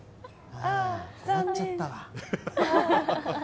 終わっちゃったわ。